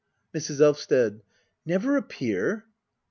Mrs. Elvsted. Never appear !